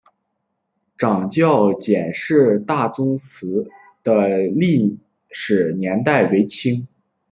长教简氏大宗祠的历史年代为清。